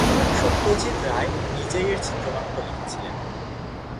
সত্যজিৎ রায় নিজেই এর চিত্রনাট্য লিখেছিলেন।